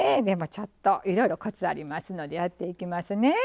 でもちょっといろいろコツありますのでやっていきますね。